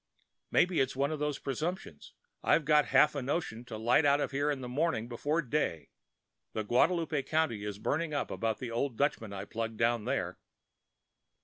Maybe it's one of them presumptions. I've got half a notion to light out in the morning before day. The Guadalupe country is burning up about that old Dutchman I plugged down there."